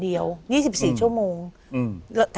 พี่น้องรู้ไหมว่าพ่อจะตายแล้วนะ